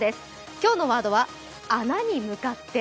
今日のワードは穴に向かって。